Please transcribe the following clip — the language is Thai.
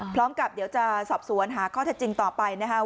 พร้อมกับเดี๋ยวจะสอบสวนข้อถิดจริงต่อไว้นะคะ